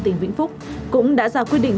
tỉnh vĩnh phúc cũng đã ra quy định